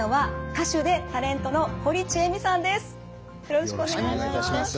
よろしくお願いします。